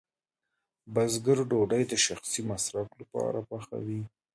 بزګر ډوډۍ د شخصي مصرف لپاره پخوي.